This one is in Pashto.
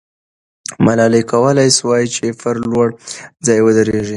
ملالۍ کولای سوای چې پر لوړ ځای ودریږي.